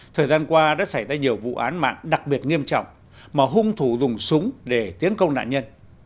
thời gian qua đã xảy ra nhiều vụ án mạng đặc biệt nghiêm trọng mà hung thủ dùng súng để tiến công nạn nhân